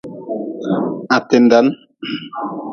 Ha tindan.